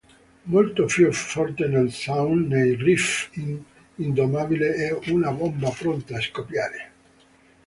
Molto più forte nel sound nei riff Indomabile è una bomba pronta a scoppiare.